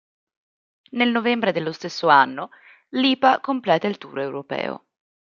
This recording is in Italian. Nel novembre dello stesso anno, Lipa completa il tour europeo.